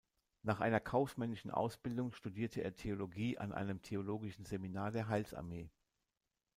Nach einer kaufmännischen Ausbildung studierte er Theologie an einem Theologischen Seminar der Heilsarmee.